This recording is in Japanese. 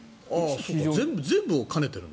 全部を兼ねてるの？